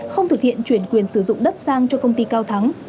không thực hiện chuyển quyền sử dụng đất sang cho công ty cao thắng